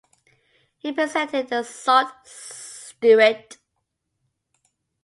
He represented the Sault Ste.